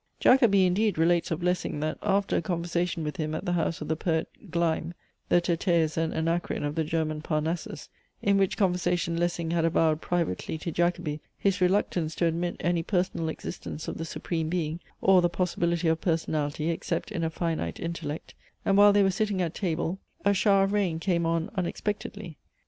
Jacobi indeed relates of Lessing, that, after a conversation with him at the house of the Poet, Gleim, (the Tyrtaeus and Anacreon of the German Parnassus,) in which conversation Lessing had avowed privately to Jacobi his reluctance to admit any personal existence of the Supreme Being, or the possibility of personality except in a finite Intellect, and while they were sitting at table, a shower of rain came on unexpectedly.